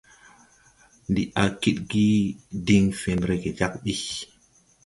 Ndi a kidgi diŋ fen rege jag ɓi.